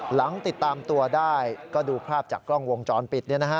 ติดตามตัวได้ก็ดูภาพจากกล้องวงจรปิด